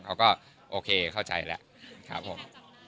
เขาก็โอเคเข้าใจแล้วครับผม